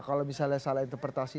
kalau misalnya salah interpretasi